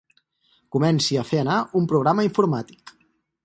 Comenci a fer anar un programa informàtic.